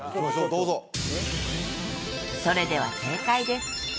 どうぞそれでは正解です